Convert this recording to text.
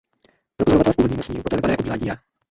Pro pozorovatele v původním vesmíru poté vypadá jako bílá díra.